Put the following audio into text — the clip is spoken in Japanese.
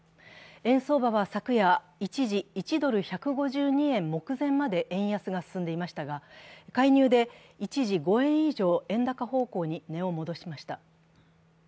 円相場は昨夜、一時１ドル＝１５２円目前まで円安が進んでいましたが、介入で一時５円以上、円高方向に値を戻しました。